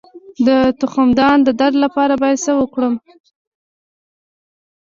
د تخمدان د درد لپاره باید څه وکړم؟